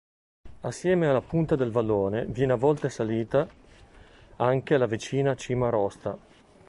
Assieme alla Punta del Vallone viene a volte salita anche la vicina Cima Rosta.